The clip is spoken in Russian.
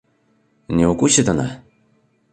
Не укусит она?